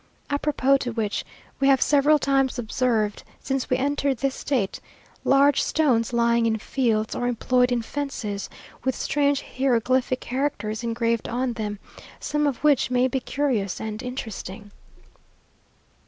Apropos to which, we have several times observed, since we entered this state, large stones lying in fields, or employed in fences, with strange hieroglyphic characters engraved on them, some of which may be curious and interesting.